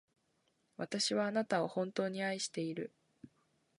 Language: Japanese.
私はあなたを、本当に愛している。